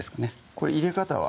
これ入れ方は？